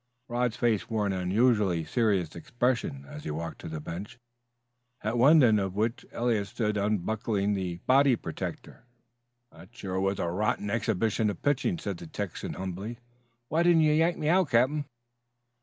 Rod's face wore an unusually serious expression as he walked to the bench, at one end of which Eliot stood unbuckling the body protector. "That sure was a right rotten exhibition of pitching," said the Texan humbly. "Why didn't you yank me out, captain?"